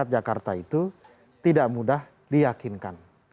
jakarta itu tidak mudah diyakinkan